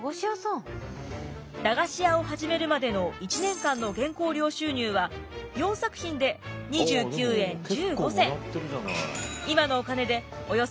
駄菓子屋を始めるまでの１年間の原稿料収入は４作品で２９円１５銭。